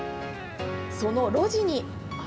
その路地に。